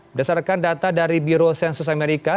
berdasarkan data dari biro sensus amerika